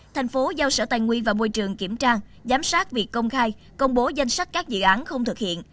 tp hcm và môi trường kiểm tra giám sát việc công khai công bố danh sách các dự án không thực hiện